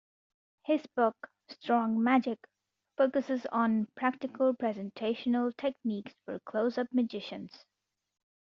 His book "Strong Magic" focuses on practical presentational techniques for close-up magicians.